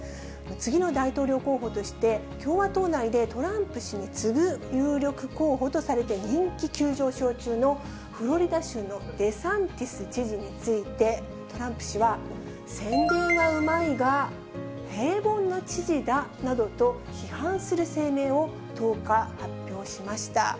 次の大統領候補として、共和党内でトランプ氏に次ぐ有力候補とされて人気急上昇中の、フロリダ州のデサンティス知事について、トランプ氏は、宣伝はうまいが平凡な知事だなどと批判する声明を１０日、発表しました。